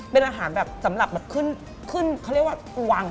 เป็นอาหารแบบสำหรับแบบขึ้นขึ้นเขาเรียกว่าวัง